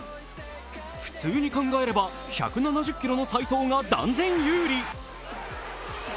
普通に変えれば１７０ｋｇの斉藤が断然有利。